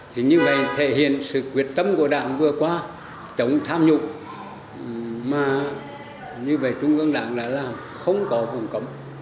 thì như vậy thể hiện sự quyết tâm của đảng vừa qua chống tham nhục mà như vậy trung ương đảng đã làm không có phòng cấm